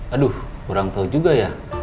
aduh kurang tahu juga ya